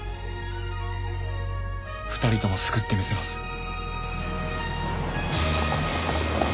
２人とも救ってみせます。